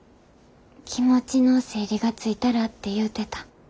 気持ちの整理がついたらって言うてた。